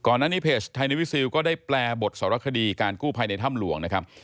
นั้นนี้เพจไทยในวิซิลก็ได้แปลบทสารคดีการกู้ภัยในถ้ำหลวงนะครับ